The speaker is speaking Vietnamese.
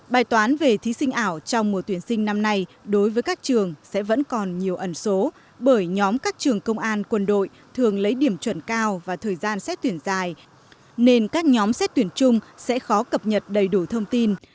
bài toán về thí sinh ảo trong mùa tuyển sinh năm nay đối với các trường sẽ vẫn còn nhiều ẩn số bởi nhóm các trường công an quân đội thường lấy điểm chuẩn cao và thời gian xét tuyển dài nên các nhóm xét tuyển chung sẽ khó cập nhật đầy đủ thông tin